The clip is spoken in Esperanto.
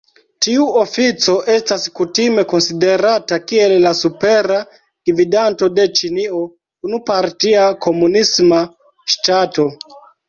Tiu ofico estas kutime konsiderata kiel la Supera Gvidanto de Ĉinio, unu-partia komunisma ŝtato.